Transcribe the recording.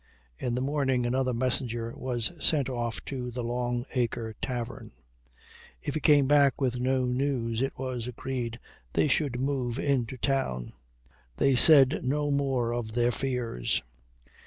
In the morning another messenger was sent off to the Long Acre tavern. If he came back with no news it was agreed they should move into town. They said no more of their fears.